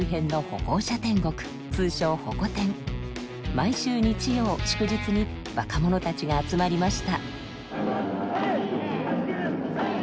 毎週日曜祝日に若者たちが集まりました。